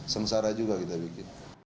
sengsara juga kita bikin